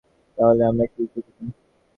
তাহলে, আমরা কি জুটি না?